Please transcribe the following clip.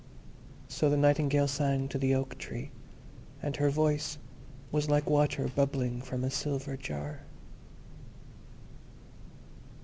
So the Nightingale sang to the Oak tree, and her voice was like water bubbling from a silver jar.